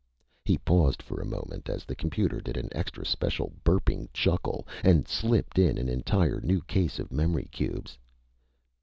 He paused for a moment as the computer did an extra special burping chuckle, and slipped in an entire new case of memory cubes.